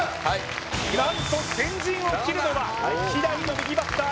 何と先陣を切るのは希代の右バッター